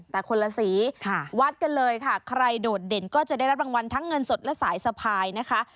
แต่คนละสีวัดกันเลยค่ะใครโดดเด่นก็จะได้รับรางวัลทั้งเงินสดและสายสะพายนะคะ